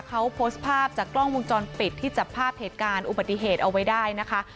เขาโพสต์ภาพจากกล้องวงจรปิดที่จับภาพเหตุการณ์อุบัติเหตุเอาไว้ได้นะคะ